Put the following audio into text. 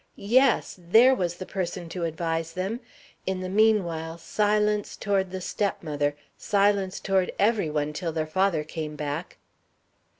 Yes! There was the person to advise them. In the meanwhile, silence toward their stepmother silence toward every one till their father came back!